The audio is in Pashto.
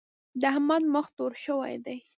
د احمد مخ تور شوی دی.